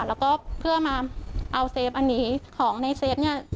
แล้วก็เพื่อมาเอาเซฟอันนี้ของในเซฟเนี่ย